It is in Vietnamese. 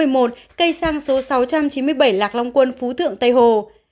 hàng số sáu trăm chín mươi bảy lạc long quân phú thượng tây hồ